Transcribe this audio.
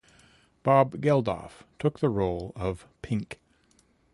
Bob Geldof took the role of Pink.